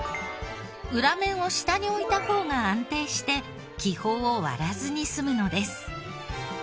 裏面を下に置いた方が安定して気泡を割らずに済むのです。